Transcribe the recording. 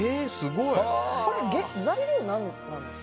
これ材料なんなんですか？